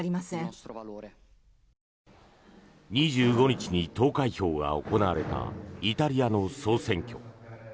２５日に投開票が行われたイタリアの総選挙。